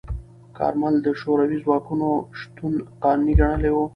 کارمل د شوروي ځواکونو شتون قانوني ګڼلی و.